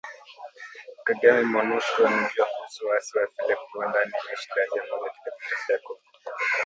Kagame: Monusco wanajua kuhusu waasi wa FDLR kuwa ndani ya jeshi la Jamuhuri ya Kidemokrasia ya Kongo